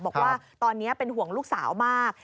บอกว่าตอนนี้เป็นห่วงลูกสาวมาก